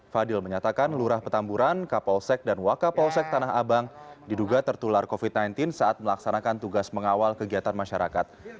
fadil menyatakan lurah petamburan kapolsek dan wakapolsek tanah abang diduga tertular covid sembilan belas saat melaksanakan tugas mengawal kegiatan masyarakat